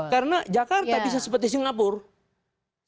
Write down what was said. karena jakarta bisa seperti singapura